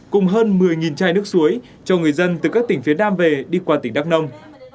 cùng hơn một mươi chai nước suối cho người dân từ các tỉnh phía nam về đi qua tỉnh đắk nông